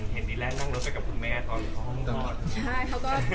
เห็นลีแรกนั่งรถไปกับคุณแม่ตอนท้องก่อน